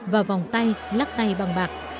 và vòng tay lắc tay bằng bạc